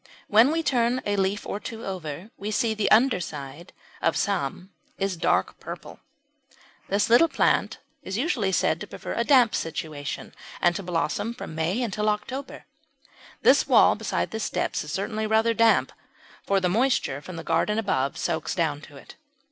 When we turn a leaf or two over we see that the under side of some is dark purple. [Illustration: IVY LEAVED TOADFLAX.] This little plant is usually said to prefer a damp situation, and to blossom from May till October. This wall beside the steps is certainly rather damp, for the moisture from the garden above soaks down to it.